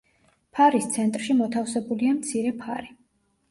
ფარის ცენტრში მოთავსებულია მცირე ფარი.